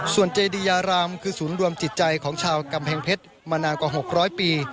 ส่วนเจดียารามคือศูนย์รวมจิตใจของชาวกำแพงเพชรมานานกว่า๖๐๐ปี